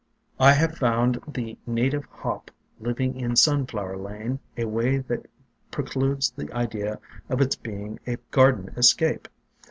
I have found the native Hop living in Sunflower Lane in a way that precludes the idea of its being a garden escape.